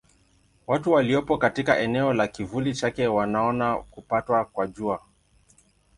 Watu waliopo katika eneo la kivuli chake wanaona kupatwa kwa Jua.